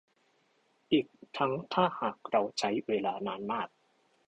อีกทั้งถ้าหากเราใช้เวลานานมาก